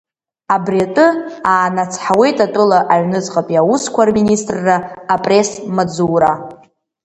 Абри атәы аанацҳауеит атәыла аҩныҵҟатәи аусқәа Рминистрра апресс-маҵзура.